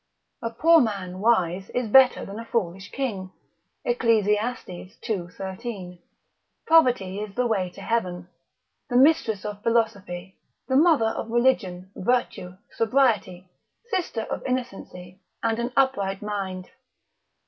A poor man wise is better than a foolish king, Eccles. ii. 13. Poverty is the way to heaven, the mistress of philosophy, the mother of religion, virtue, sobriety, sister of innocency, and an upright mind.